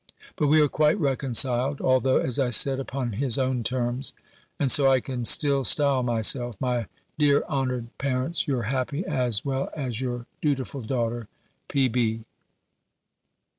But we are quite reconciled; although as I said, upon his own terms: and so I can still style myself, my dear honoured parents, your happy, as well as your dutiful daughter, P.